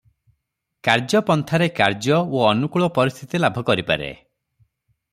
କାର୍ଯ୍ୟ ପନ୍ଥାରେ କାର୍ଯ୍ୟ ଓ ଅନୁକୂଳ ପରିସ୍ଥିତି ଲାଭ କରିପାରେ ।